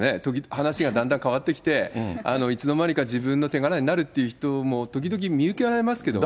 話がだんだん変わってきて、いつの間にか自分の手柄になるという人も時々見受けられますけれども。